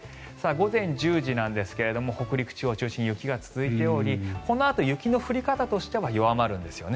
午前１０時なんですが北陸地方を中心に雪が続いておりこのあと雪の降り方としては弱まるんですよね。